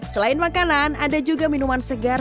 selain makanan ada juga minuman segar